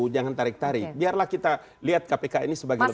jangan tarik tarik biarlah kita lihat kpk ini sebagai lembaga